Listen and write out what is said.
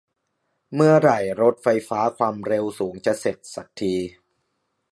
เมื่อไหร่รถไฟฟ้าความเร็วสูงจะเสร็จสักที